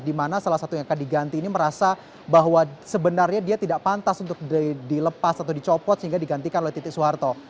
di mana salah satu yang akan diganti ini merasa bahwa sebenarnya dia tidak pantas untuk dilepas atau dicopot sehingga digantikan oleh titik soeharto